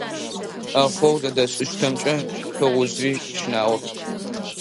Ӏэхъогъу зэдэзыштэмкӏэ тыгъужъыри щынагъоп.